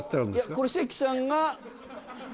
これ関さんが。